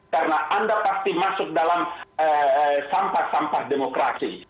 karena anda pasti masuk dalam sampah sampah demokrasi